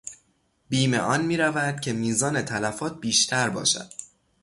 بیم آن میرود که میزان تلفات بیشتر باشد.